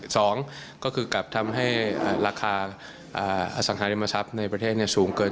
สองก็คือกลับทำให้ราคาอสังหาริมทรัพย์ในประเทศสูงเกิน